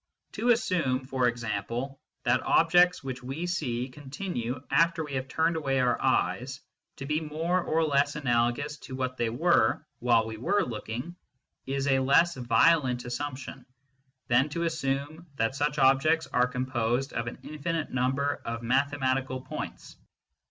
To assume, for example, that objects which we see continue, after we have turned away our eyes, to be more or less analogous to what they were while we were looking, is a less violent assumption than to assume that such objects are composed of an infinite number of mathematical points.